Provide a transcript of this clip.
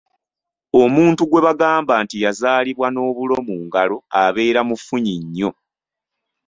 Omuntu gwe bagamba nti yazaalibwa n'obulo mu ngalo abeera mufunyi nnyo.